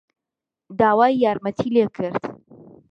داوای یارمەتیی لێ کرد.